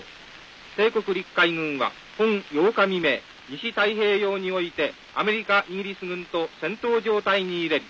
帝国陸海軍は本８日未明西太平洋においてアメリカイギリス軍と戦闘状態に入れり。